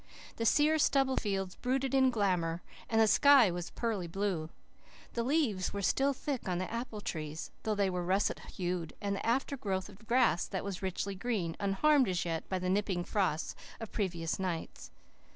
The sere stubble fields brooded in glamour, and the sky was pearly blue. The leaves were still thick on the apple trees, though they were russet hued, and the after growth of grass was richly green, unharmed as yet by the nipping frosts of previous nights.